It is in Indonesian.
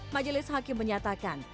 majelis hakim menyatakan